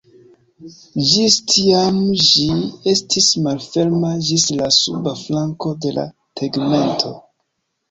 Ĝis tiam ĝi estis malferma ĝis la suba flanko de la tegmento.